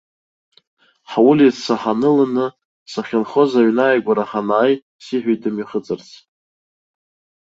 Ҳулица ҳаныланы, сахьынхоз аҩны ааигәара ҳанааи, сиҳәеит дымҩахыҵырц.